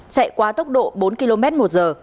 chạy qua tốc độ bốn kmh